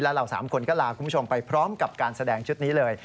เรา๓คนก็ลาคุณผู้ชมไปพร้อมกับการแสดงชุดนี้เลย